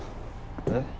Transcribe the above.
えっ？